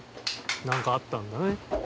何かあったんだね。